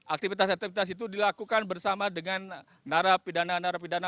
aktivitas aktivitas itu dilakukan bersama dengan narapidana narapidana